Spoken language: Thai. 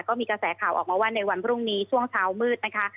ก็มีกระแสข่าวออกมาว่าในวันพรุ่งนี้ช่วงเช้ามืดนะคะ